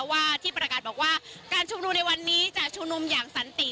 ว่าที่ประกาศบอกว่าการชุมนุมในวันนี้จะชุมนุมอย่างสันติ